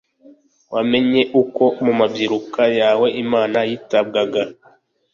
wamenya uko mumabyirukiro yawe imana yitabwaga